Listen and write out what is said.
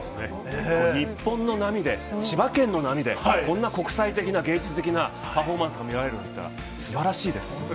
日本の波で千葉県の波でこんな国際的な、芸術的なパフォーマンスを見られるなんて素晴らしいです。